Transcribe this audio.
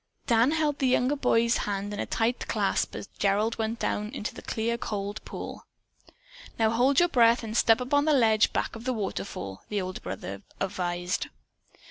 Dan held the younger boy's hand in a tight clasp as Gerald went down into the clear, cold pool. "Now, hold your breath and step up on that ledge back of the waterfall," the older brother advised.